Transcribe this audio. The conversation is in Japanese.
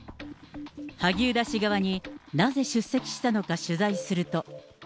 萩生田氏側になぜ出席したのか取材すると。